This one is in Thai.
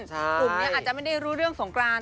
กลุ่มนี้อาจจะไม่ได้รู้เรื่องสงกราน